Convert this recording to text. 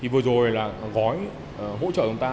vừa rồi là gói hỗ trợ chúng ta